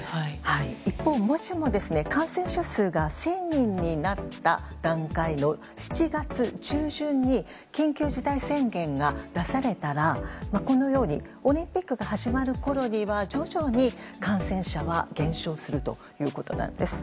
一方、もしも感染者数が１０００人になった段階の７月中旬に緊急事態宣言が出されたらオリンピックが始まるころには徐々に感染者は減少するということです。